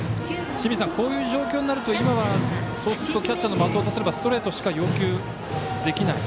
こういう状況になるとキャッチャーの松尾とすればストレートしか要求できない。